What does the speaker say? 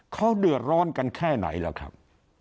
เขาเดือดร้อนกันแค่ไหนล่ะครับ